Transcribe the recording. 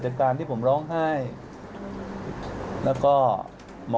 ขอบคุณพี่ด้วยนะครับ